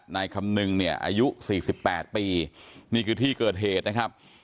นายคำนึงเนี่ยอายุ๔๘ปีนี่คือที่เกิดเหตุนะครับ